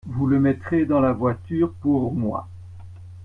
Vous le mettrez dans la voiture pour moi ?